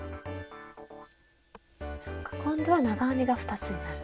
そっか今度は長編みが２つになるんだ。